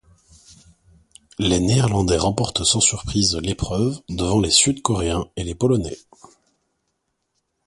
Les Néerlandais remportent sans surprise l'épreuve devant les Sud-Coréens et les Polonais.